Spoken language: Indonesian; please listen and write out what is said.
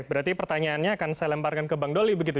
berarti pertanyaannya akan saya lemparkan ke bang doli begitu